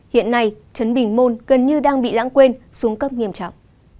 hiện nay chấn bình môn gần như đang bị lãng quên xuống cấp nghiêm trọng